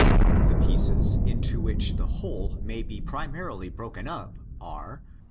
The pieces into which the whole may be primarily broken up are: i.